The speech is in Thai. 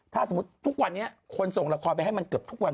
ถ้าสมมุติทุกวันนี้คนส่งละครไปให้มันเกือบทุกวัน